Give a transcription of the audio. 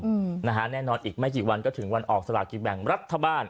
อืมนะฮะแน่นอนอีกไม่กี่วันก็ถึงวันออกสลากินแบ่งรัฐบาล